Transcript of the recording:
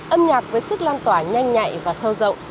âm nhạc với sức lan tỏa nhanh nhạy và sâu rộng